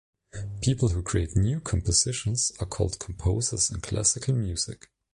People who create new compositions are called composers in classical music.